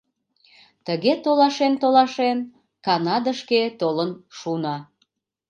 Тыге, толашен-толашен, Канадышке толын шуна.